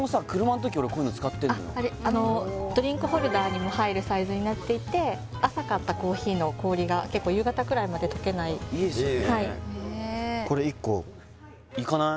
俺こういうの・ドリンクホルダーにも入るサイズになっていて朝買ったコーヒーの氷が結構夕方くらいまで溶けないいいですよねへえいかない？